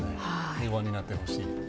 平和になってほしい。